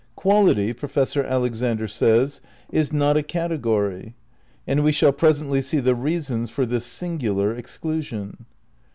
Quality, Professor Alexander says, is not a category. And we shall presently see the reasons for this singular exclusion.